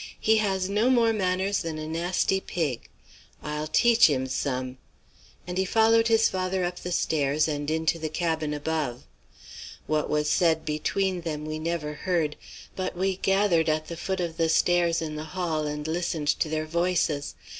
'He has no more manners than a nasty pig. I'll teach him some,' and he followed his father up the stairs and into the cabin above. What was said between them we never heard, but we gathered at the foot of the stairs in the hall and listened to their voices.